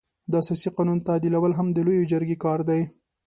د اساسي قانون تعدیلول هم د لويې جرګې کار دی.